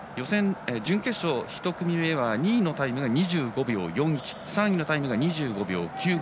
準決勝１組目は２位のタイムが２５秒４１３位のタイムが２５秒９５。